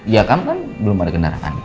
ya kami kan belum ada kendaraan